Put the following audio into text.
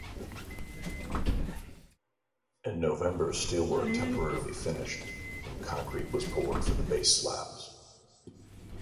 In November, steelwork temporarily finished, and concrete was poured for the base slabs.